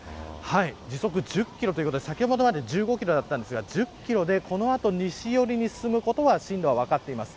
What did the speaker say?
時速１０キロということで先ほどまで１５キロでしたが１０キロで、これから西寄りに進むことは分かっています。